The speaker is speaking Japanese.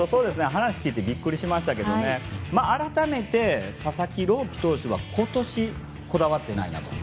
話を聞いてビックリしましたけど改めて佐々木朗希投手は今年にこだわっていないなと。